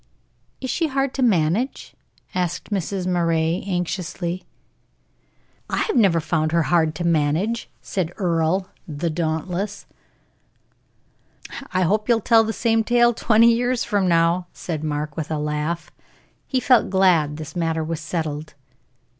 "Is she hard to manage?" asked Mrs. Moray, anxiously. "I never found her hard to manage," said Earle, the dauntless. "I hope you'll tell the same tale twenty years from now," said Mark, with a laugh. He felt glad this matter was settled.